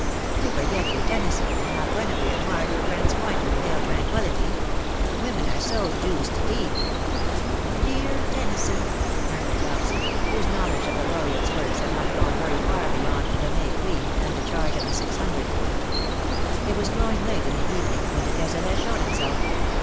You forget your Tennyson, and how Guinevere ' marred her friend^s point with pale tranquillity/ Women are so deuced deep/^ ^l T>mx Tennyson/^ murmured Dopsy, whose knowledge of the Laureate's works had not gone very far beyond ^^The May Queen/^ and "The Charge of the Six Hundred/' It was growing late in the evening when de Cazalet showed himself.